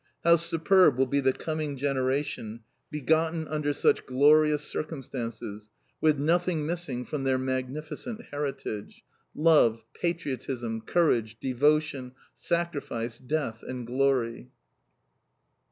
How superb will be the coming generation, begotten under such glorious circumstances, with nothing missing from their magnificent heritage, Love, Patriotism, Courage, Devotion, Sacrifice, Death, and Glory!